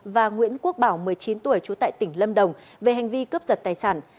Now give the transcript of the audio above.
và nguyễn quốc bảo một mươi chín tuổi trú tại tỉnh lâm đồng về hành vi cướp giật tài sản